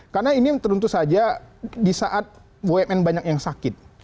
karena ini teruntuk saja di saat bumn banyak yang sakit